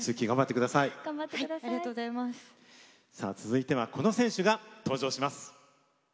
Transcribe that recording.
続いてはこの選手が登場します。